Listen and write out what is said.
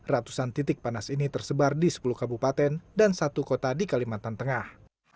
ratusan titik panas ini tersebar di sepuluh kabupaten dan satu kota di kalimantan tengah